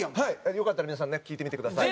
よかったら皆さんね聴いてみてください。